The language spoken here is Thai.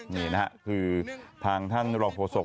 นี่นะครับคือทางท่านรองโฆษก